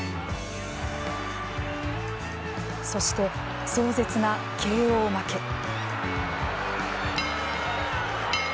そして、壮絶なＫＯ負け。